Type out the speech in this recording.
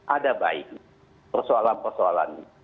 ada baik persoalan persoalan